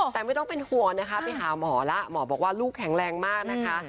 แต่ไม่ต้องเป็นห่วงนะคะไปหาหมอแล้วหมอบอกว่าลูกแข็งแรงมากนะคะ